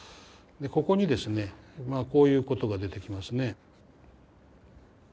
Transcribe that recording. ここにですねこういうことが出てきますね。